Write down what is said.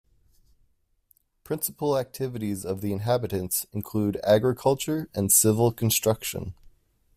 Principal activities of the inhabitants include agriculture and civil construction.